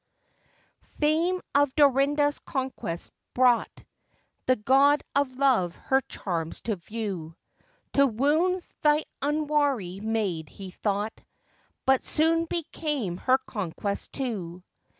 Fame of Dorinda's conquest brought The God of Love her charms to view; To wound th' unwary maid he thought, But soon became her conquest too.